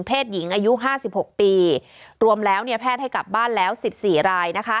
หญิงอายุ๕๖ปีรวมแล้วแพทย์ให้กลับบ้านแล้ว๑๔ราย